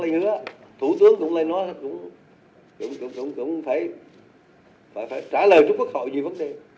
thế bây giờ các bộ trưởng cũng lấy hứa thủ tướng cũng lấy nói cũng phải trả lời cho quốc hội về vấn đề